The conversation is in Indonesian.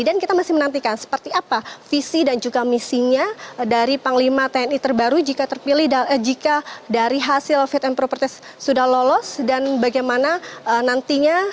dan kita masih menantikan seperti apa visi dan juga misinya dari panglima tni terbaru jika terpilih jika dari hasil fit and properties sudah lolos dan bagaimana nantinya dinamika fraksi fraksi dalam memberikan pertanyaan pertanyaan